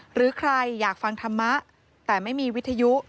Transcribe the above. หรือใครอยากฟังธรรมะแต่ไม่มีวิทยุ